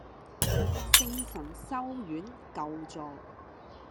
聖神修院舊座